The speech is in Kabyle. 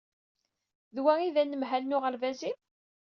D wa i d anemhal n uɣerbaz-im?